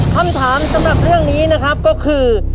คำถามสำหรับเรื่องนี้นะครับก็คือ